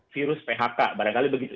virus phk barangkali begitu